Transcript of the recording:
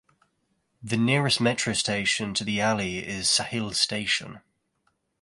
The nearest metro station to the alley is Sahil station.